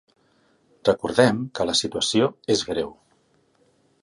Recordem que la situació és greu.